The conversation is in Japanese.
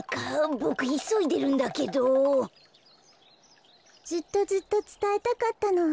ボクいそいでるんだけど。ずっとずっとつたえたかったの。